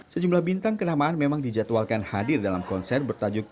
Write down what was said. sejumlah bintang kenamaan memang dijadwalkan hadir dalam konser bertajuk